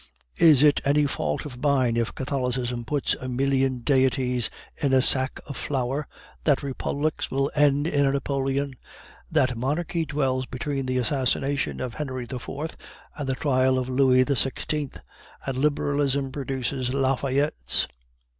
"Is it any fault of mine if Catholicism puts a million deities in a sack of flour, that Republics will end in a Napoleon, that monarchy dwells between the assassination of Henry IV. and the trial of Louis XVI., and Liberalism produces Lafayettes?"